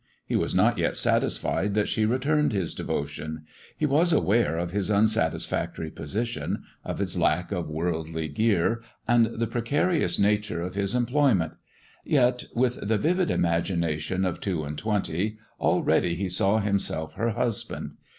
He was not yet satisfied that she returned his devotion ; he was aware of his unsatisfactory position, of his lack of worldly gear, and the precarious nature of his employment; yet, with the vivid imagination of two and twenty, already he saw him self her husband.